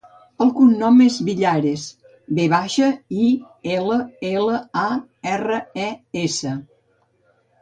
El cognom és Villares: ve baixa, i, ela, ela, a, erra, e, essa.